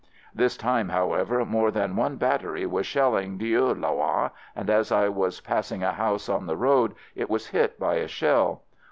This time, however, more than one bat tery was shelling Dieulouard, and as I was passing a house on the road, it was hit by a shell.